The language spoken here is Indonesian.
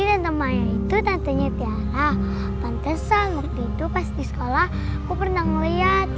jadi tante maya itu tantenya tiara pantasan waktu itu pas di sekolah aku pernah nungguin di depan aku baru selesai